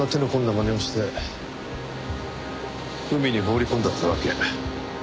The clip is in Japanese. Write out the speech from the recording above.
まねをして海に放り込んだってわけ。